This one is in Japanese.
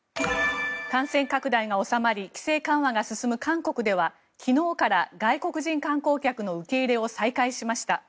感染拡大が収まり規制緩和が進む韓国では昨日から外国人観光客の受け入れを再開しました。